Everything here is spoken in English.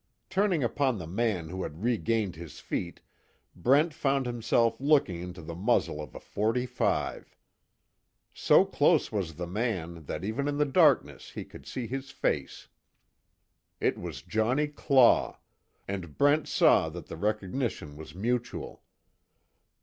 Turning upon the man who had regained his feet Brent found himself looking into the muzzle of a forty five. So close was the man that even in the darkness he could see his face. It was Johnnie Claw, and Brent saw that the recognition was mutual.